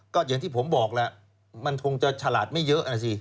ก็อย่างที่ผมบอกแหละมันคงจะฉลาดไม่เยอะนะสิ